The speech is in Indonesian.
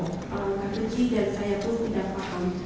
langkah kecil dan saya pun tidak paham